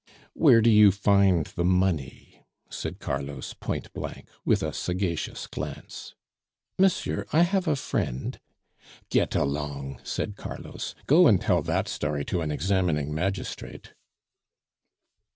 "Where do you find the money?" said Carlos point blank, with a sagacious glance. "Monsieur, I have a friend " "Get along," said Carlos; "go and tell that story to an examining magistrate!"